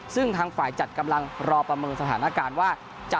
ซึ่งทางฝ่ายจัดกำลังรอประเมินสถานการณ์ว่า